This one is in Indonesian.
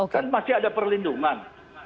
kan masih ada perlindungan